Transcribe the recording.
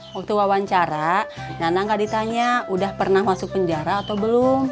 waktu wawancara nana nggak ditanya udah pernah masuk penjara atau belum